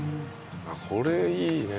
これいいね。